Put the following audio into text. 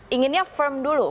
inginnya firm dulu